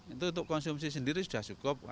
itu untuk konsumsi sendiri sudah cukup